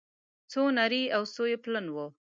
څو نري او څو يې پلن وه